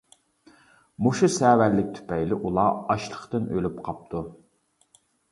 مۇشۇ سەۋەنلىك تۈپەيلى ئۇلار ئاچلىقتىن ئۆلۈپ قاپتۇ.